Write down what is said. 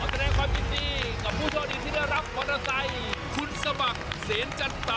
แสดงความยินดีกับผู้โชคดีที่ได้รับมอเตอร์ไซค์คุณสมัครเสนจันตะ